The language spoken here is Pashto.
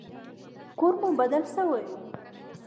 کور مو بدل سوى و.